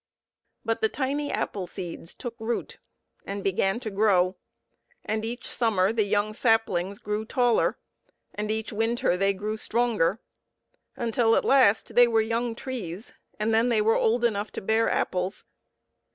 But the tiny apple seeds took root and began to grow, and each summer the young saplings grew taller and each winter they grew stronger, until at last they were young trees, and then they were old enough to bear apples.